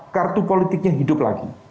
kartu politiknya hidup lagi